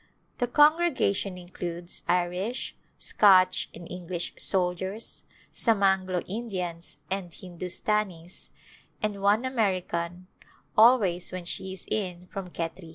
The congregation includes Irish, Scotch and English soldiers, some Anglo Indians and Hindustanis, and one American always when she is in from Khetri.